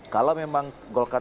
kalau memang golkar